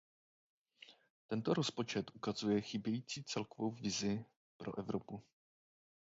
Tento rozpočet ukazuje chybějící celkovou vizi pro Evropu.